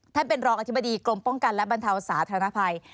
ท่านเป็นรองอธิบดีกรมป้องกันและบรรเทาสาธารณภัย